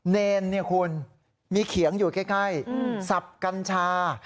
เนรเนี่ยคุณมีเขียงอยู่ใกล้สับกัญชา